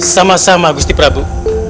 sama sama agusti prabu